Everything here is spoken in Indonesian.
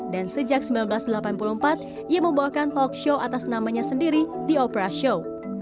dan sejak seribu sembilan ratus delapan puluh empat ia membawakan talk show atas namanya sendiri di opera show